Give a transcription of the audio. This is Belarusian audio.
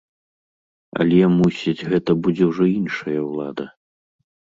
Але, мусіць, гэта будзе ўжо іншая ўлада.